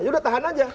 yaudah tahan aja